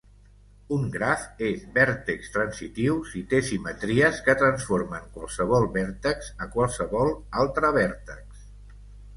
Un graf és vèrtex-transitiu si té simetries que transformen qualsevol vèrtex a qualsevol altre vèrtex.